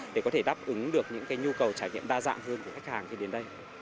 để có thể đáp ứng được những nhu cầu trải nghiệm đa dạng hơn của khách hàng khi đến đây